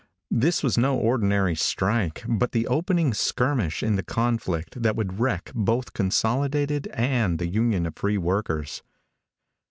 This was no ordinary strike, but the opening skirmish in the conflict that would wreck both Consolidated and the Union of Free Workers.